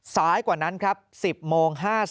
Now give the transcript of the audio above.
กว่านั้นครับ๑๐โมง๕๐